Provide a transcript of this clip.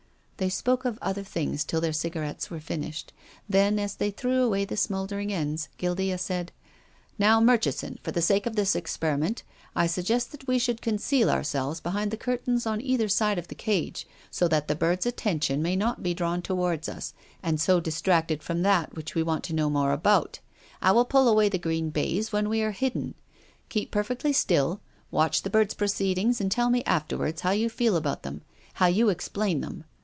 They spoke of other things till their cigarettes were finished. Then, as they threw away the smouldering ends, Guildea said, " Now, Murchison, for the sake of this experi ment, I suggest that we should conceal ourselves behind the curtains on either side of the cage, so that the bird's attention may not be drawn towards us and so distracted from that which we want to know more about. I will pull away the green baize when we are hidden. Keep perfectly still, watch the bird's proceedings, and tell me afterwards how you feel about them, how you explain them.